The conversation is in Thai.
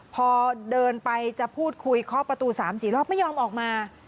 พอเดินไปจะพูดคุยเคาะประตู๓๔รอบไม่ยอมออกมา